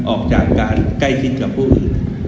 ออกจากการใกล้ชิดกับผู้อื่น